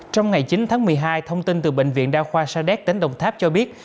trong ngày chín tháng một mươi hai thông tin từ bệnh viện đa khoa sa đéc tỉnh đồng tháp cho biết